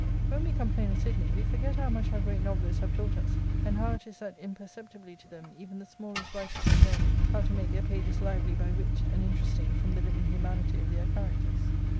When we complain of Sidney, we forget how much our great novelists have taught us, and how it is that, imperceptibly to them, even the smallest writers have learnt how to make their pages lively by wit, and in teresting from the living humanity of their characters.